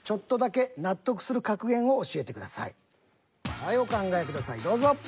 はいお考えくださいどうぞ。